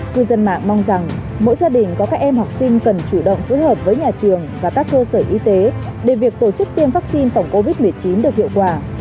cư dân mạng mong rằng mỗi gia đình có các em học sinh cần chủ động phối hợp với nhà trường và các cơ sở y tế để việc tổ chức tiêm vaccine phòng covid một mươi chín được hiệu quả